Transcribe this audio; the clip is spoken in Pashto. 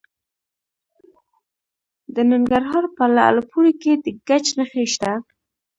د ننګرهار په لعل پورې کې د ګچ نښې شته.